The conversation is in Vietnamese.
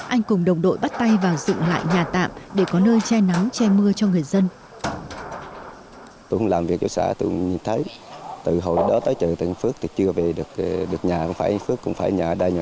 anh cùng đồng đội bắt tay vào dựng lại nhà tạm để có nơi che nắng che mưa cho người dân